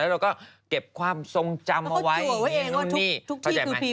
แล้วก็เก็บความทรงจำไว้นู่นนี่